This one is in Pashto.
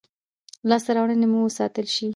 لاسته راوړنې مو وساتل شي.